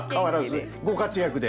ご活躍で。